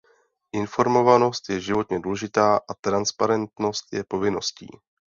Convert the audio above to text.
Informovanost je životně důležitá a transparentnost je povinností.